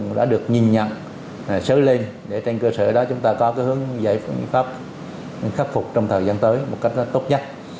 chúng ta đã được nhìn nhận sớm lên để trên cơ sở đó chúng ta có hướng giải pháp khắc phục trong thời gian tới một cách tốt nhất